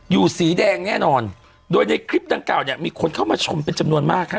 สีแดงแน่นอนโดยในคลิปดังกล่าวเนี่ยมีคนเข้ามาชมเป็นจำนวนมากฮะ